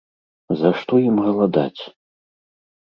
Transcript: За што ім галадаць?